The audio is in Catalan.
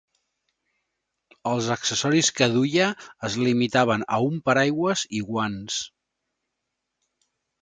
Els accessoris que duia es limitaven a un paraigua i guants.